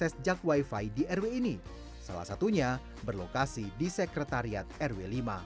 salah satunya berlokasi di sekretariat rw lima